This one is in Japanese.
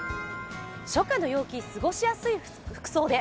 初夏の陽気過ごしやすい服装で。